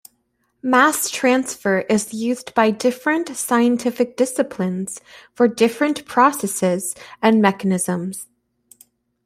Mass transfer is used by different scientific disciplines for different processes and mechanisms.